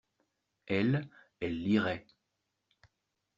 Elles, elles liraient.